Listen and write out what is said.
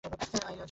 আয়া চলে গেল।